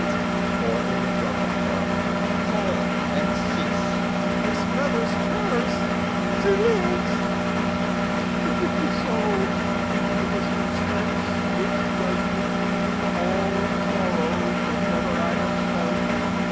Edg. Or image of that horror? Alb. Fall and cease! Lear. This feather stirs; she lives! If it be so, It is a chance which does redeem all sorrows That ever I have felt.